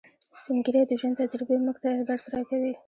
سپین ږیری د ژوند تجربې موږ ته درس راکوي